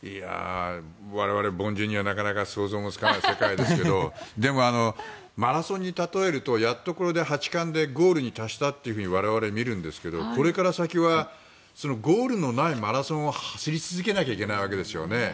我々、凡人にはなかなか想像がつかない世界ですがでも、マラソンに例えるとやっと八冠でゴールに達したと我々は見るんですがこれから先はゴールのないマラソンを走り続けなきゃいけないわけですよね。